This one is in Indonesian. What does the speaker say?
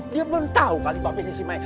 dia belum tau kali bapak ini si mai